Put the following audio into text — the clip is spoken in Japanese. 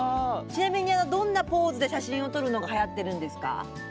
ちなみにどんなポーズで写真を撮るのがはやってるんですか？